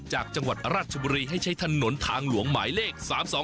จากจังหวัดราชบุรีให้ใช้ถนนทางหลวงหมายเลข๓๒